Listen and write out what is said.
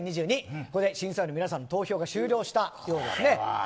ここで審査員の皆さんの投票が終了したようですね。